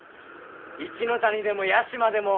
一ノ谷でも屋島でも。